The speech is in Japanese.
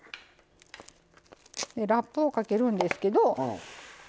ラップをかけるんですけど。